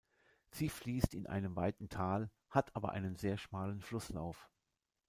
Sie fließt in einem weiten Tal, hat aber einen sehr schmalen Flusslauf.